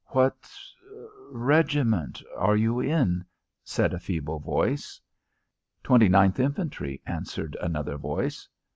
"What regiment are you in?" said a feeble voice. "Twenty ninth Infantry," answered another voice.